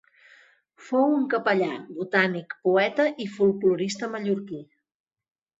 Fou un capellà, botànic, poeta i folklorista mallorquí.